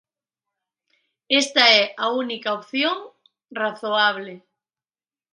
Esta é a única opción razoable.